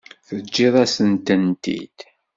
Teǧǧiḍ-asen-tent-id.